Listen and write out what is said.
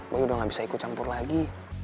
bayi udah gak bisa ikut campur lagi